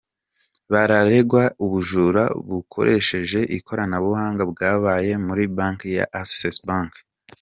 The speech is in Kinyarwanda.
Bararegwa ubujura bukoresheje ikoranabuhanga bwabaye muri banki ya Access Bank.